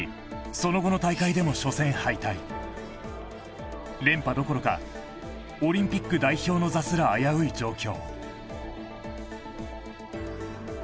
その後の大会でも初戦敗退連覇どころかオリンピック代表の座すら危うい状況